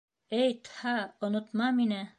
Эй, Тһа, онотма мине!